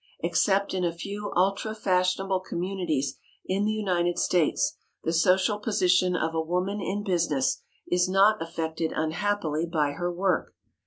Except in a few ultra fashionable communities in the United States, the social position of a woman in business is not affected unhappily by her work.